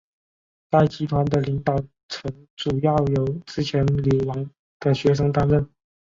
该集团的领导层主要由之前流亡的学生担任。